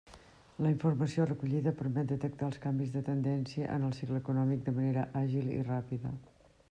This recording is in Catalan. La informació recollida permet detectar els canvis de tendència en el cicle econòmic de manera àgil i ràpida.